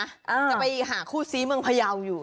จะไปหาคู่ซีเมืองพยาวอยู่